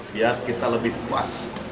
biar kita lebih puas